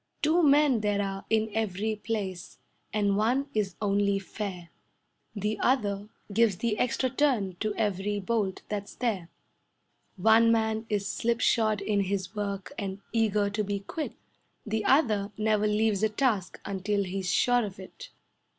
Two men there are in every place, and one is only fair, The other gives the extra turn to every bolt that's there; One man is slip shod in his work and eager to be quit, The other never leaves a task until he's sure of it.